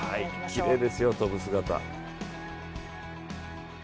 きれいですよ、跳ぶ姿。